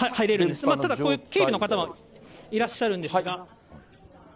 ただこういう警備の方がいらっしゃるんですが。